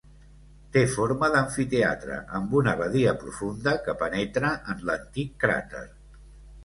Té forma d'amfiteatre amb una badia profunda que penetra en l'antic cràter.